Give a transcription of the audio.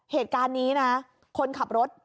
ว้ายค่ะ